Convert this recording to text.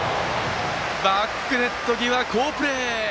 バックネット際好プレー！